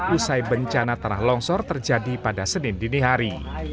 usai bencana tanah longsor terjadi pada senin dinihari